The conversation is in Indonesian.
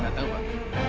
gak tau pak